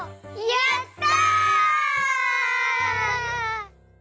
やった！